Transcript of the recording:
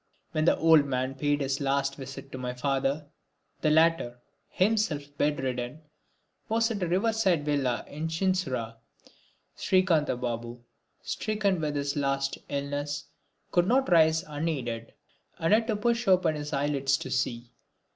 When the old man paid his last visit to my father, the latter, himself bed ridden, was at a river side villa in Chinsurah. Srikantha Babu, stricken with his last illness, could not rise unaided and had to push open his eyelids to see.